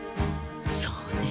そうね。